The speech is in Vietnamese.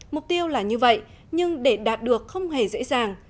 mục tiêu là như vậy nhưng để đạt được không hề dễ dàng